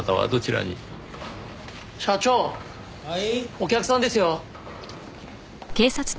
お客さんですよ。